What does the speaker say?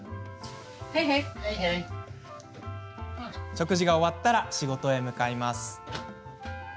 食事が終わったら仕事へ向かいます。